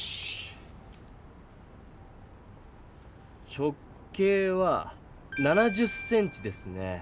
直径は７０ｃｍですね。